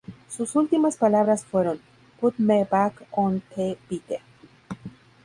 Sus últimas palabras fueron "Put me back on the bike!